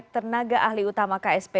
tenaga ahli utama ksp